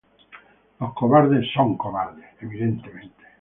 Los cobardes son cobardes.